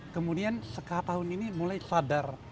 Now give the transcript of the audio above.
kemudian setahun ini mulai sadar